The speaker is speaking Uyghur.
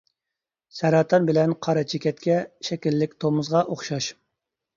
سەرەتان بىلەن قارا چېكەتكە شەكىللىك تومۇزغا ئوخشاش.